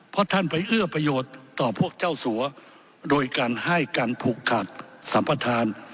เพราะท่านไปเอื้อประโยชน์ต่อพวกเจ้าสัวโดยการให้การผูกขาดสัมปทาน